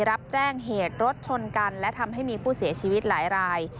รับแจ้งเหตุรถชนกันและทำให้มีผู้เสียชีวิตหลายราย